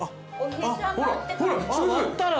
ほらほら！